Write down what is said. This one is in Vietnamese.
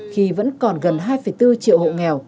khi vẫn còn gần hai bốn triệu hộ nghèo